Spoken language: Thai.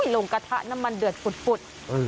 ลงกระทะน้ำมันเดือดฝุด